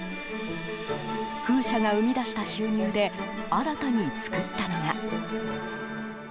風車が生み出した収入で新たに作ったのが。